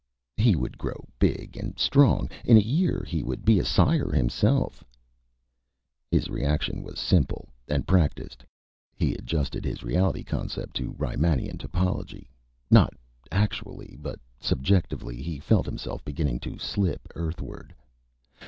_ He would grow big and strong. In a year, he would be a sire himself. His reaction was simple, and practiced. He adjusted his reality concept to Reimannian topology. Not actually, but subjectively, he felt himself beginning to slip Earthward.